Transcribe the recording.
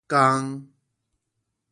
工